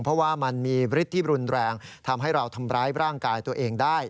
เพราะว่ามันมีฤทธิ์ที่รุนแรงทำให้เราทำร้ายร่างกายตัวเองได้